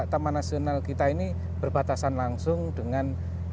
taman nasional kita ini berbatasan langsung dengan